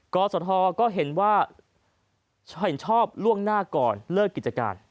กศธก็เห็นว่าเห็นชอบล่วงหน้าก่อนเลิกกิจการ